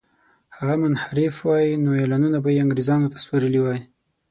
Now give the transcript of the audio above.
که هغه منحرف وای نو اعلانونه به یې انګرېزانو ته سپارلي وای.